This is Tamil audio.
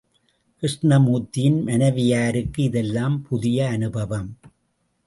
கிருஷ்ணமூர்த்தியின் மனைவியாருக்கு இதெல்லாம் புதிய அனுபவம்.